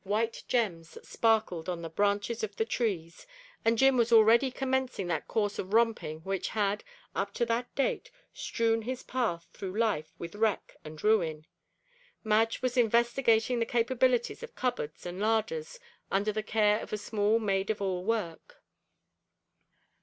White gems sparkled on the branches of the trees, and Jim was already commencing that course of romping which had, up to that date, strewn his path through life with wreck and ruin. Madge was investigating the capabilities of cupboards and larders, under the care of a small maid of all work.